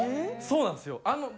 そうなんですよ。